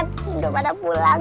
tidur pada pulang